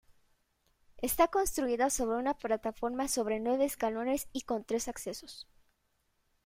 Está construida sobre una plataforma sobre nueve escalones, y con tres accesos.